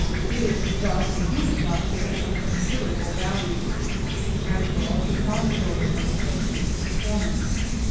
It is thus "a human document" of considerable value, as well as a promissory note of future performance.